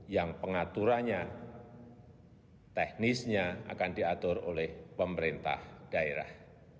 yang pengaturannya teknisnya akan diatur oleh pemerintah daerah